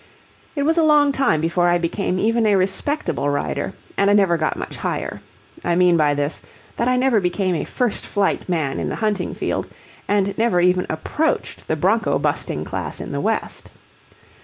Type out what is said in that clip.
It was a long time before I became even a respectable rider, and I never got much higher. I mean by this that I never became a first flight man in the hunting field, and never even approached the bronco busting class in the West.